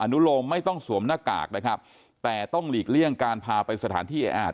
นุโลมไม่ต้องสวมหน้ากากนะครับแต่ต้องหลีกเลี่ยงการพาไปสถานที่แออาจ